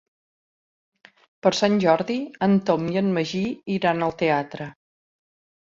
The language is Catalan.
Per Sant Jordi en Tom i en Magí iran al teatre.